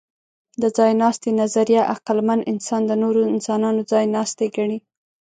د ځایناستي نظریه عقلمن انسان د نورو انسانانو ځایناستی ګڼي.